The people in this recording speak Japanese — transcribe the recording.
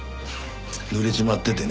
濡れちまっててね